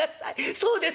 そうです。